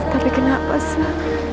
tapi kenapa su